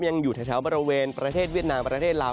อยู่แถวบริเวณประเทศเวียดนามประเทศลาว